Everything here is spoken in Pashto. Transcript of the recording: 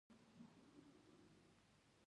د ولسي جرګي غړي ځوانان کيدای سي.